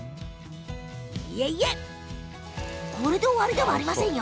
いえいえこれで終わりではありませんよ。